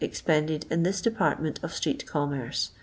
expended in this department of street commerce.